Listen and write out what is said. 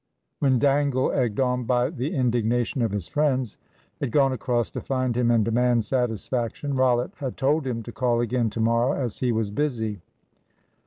When Dangle, egged on by the indignation of his friends, had gone across to find him and demand satisfaction, Rollitt had told him to call again to morrow, as he was busy.